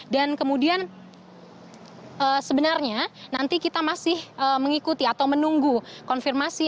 dan kemudian sebenarnya nanti kita masih mengikuti atau menunggu konfirmasi